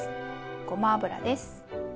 ごま油です。